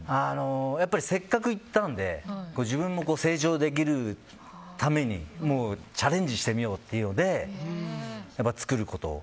やっぱりせっかく行ったので自分も成長できるためにチャレンジしてみようというので作ることを。